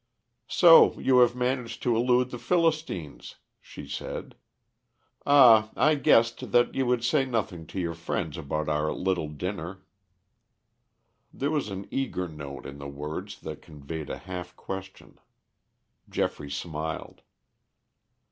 "So you have managed to elude the Philistines," she said. "Ah, I guessed that you would say nothing to your friends about our little dinner." There was an eager note in the words that conveyed a half question. Geoffrey smiled.